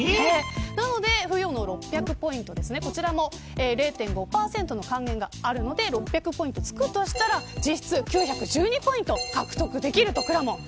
なので、付与の６００ポイントこちらも０．５％の還元があるので、６００ポイント付くとしたら実質９１２ポイント獲得できるということです。